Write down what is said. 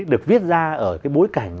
được viết ra ở cái bối cảnh